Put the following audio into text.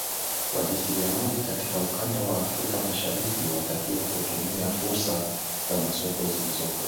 wajasiriamali katika ukanda wa afrika mashariki watakiwa kutumia furusa za masoko zilizopo